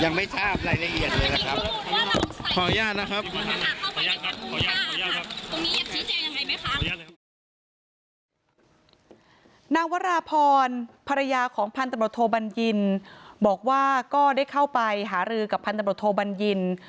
นางวราพรภรรยาของพภภบรรยินบอกว่าก็ได้เข้าไปหารือกับพภภบรรยิน